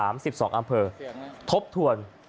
๑๒อำเภอทบทวน